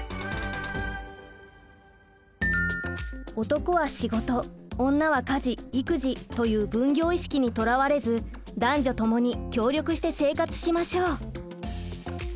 「男は仕事女は家事・育児」という分業意識にとらわれず男女ともに協力して生活しましょう。